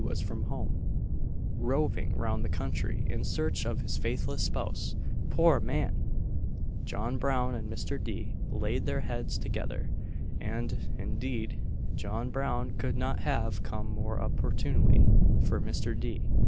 was from home roving round the country in search of his faithless spouse, poor man! John Brown and Mr. D. laid their heads together; and, indeed, John Brown could not have come more opportunely, for Mr. D.